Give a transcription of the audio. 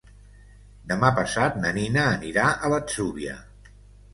Demà passat na Nina anirà a l'Atzúbia.